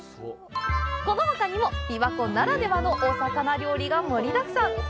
このほかにも琵琶湖ならではのお魚料理が盛りだくさん。